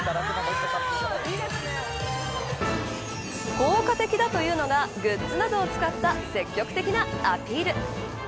効果的だというのがグッズなどを使った積極的なアピール。